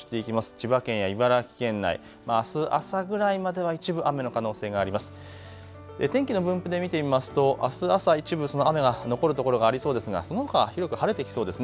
千葉県や茨城県内、あす朝ぐらいまでは一部雨の可能性があります。